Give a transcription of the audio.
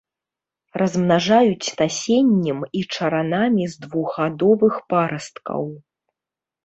Размнажаюць насеннем і чаранамі з двухгадовых парасткаў.